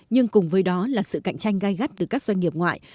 nhưng cùng với đó là sự cạnh tranh gai gắt từ các doanh nghiệp ngoại